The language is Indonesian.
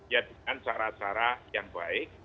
ya dengan cara cara yang baik